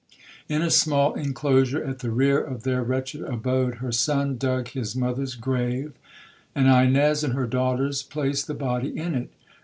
In a small inclosure, at the rear of their wretched abode, her son dug his mother's grave, and Ines and her daughters placed the body in it.